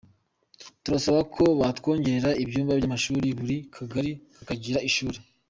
Turasaba ko batwongerera ibyumba by’amashuri, buri kagari kakagira ishuri’’.